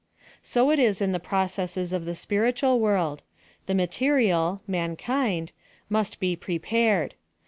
So it is in the processes of the spiritual world ; the material [nianliind\ nuist be prepared.